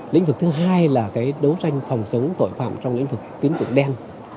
lĩnh vực thứ hai là đấu tranh phòng chống tội phạm trong lĩnh vực tín dụng đen